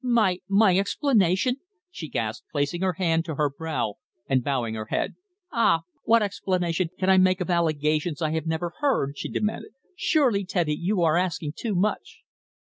"My my explanation!" she gasped, placing her hand to her brow and bowing her head. "Ah! what explanation can I make of allegations I have never heard?" she demanded. "Surely, Teddy, you are asking too much."